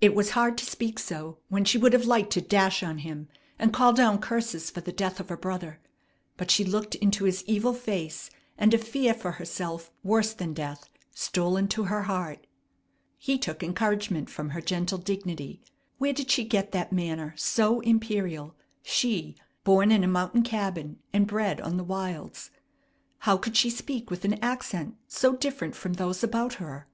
It was hard to speak so when she would have liked to dash on him, and call down curses for the death of her brother; but she looked into his evil face, and a fear for herself worse than death stole into her heart. He took encouragement from her gentle dignity. Where did she get that manner so imperial, she, born in a mountain cabin and bred on the wilds? How could she speak with an accent so different from those about her?